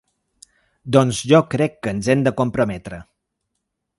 Doncs jo crec que ens hem de comprometre.